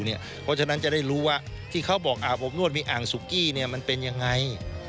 เพราะฉะนั้นจะได้รู้ว่าที่เขาบอกอาบอบนวดมีอ่างสุกี้มันเป็นยังไง